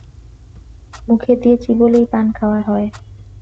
মুখে দিয়ে চিবোলেই পান খাওয়া হয়।